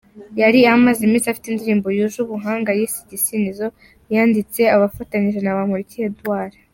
Yari amaze iminsi afite indirimbo yuje ubuhanga yise ‘Igisingizo’ yanditse afatanyije na Bamporiki Edouard.